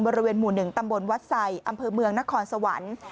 บริเวณหมู่๑ตำบลวัดไซอำเภอเมืองนครสวรรค์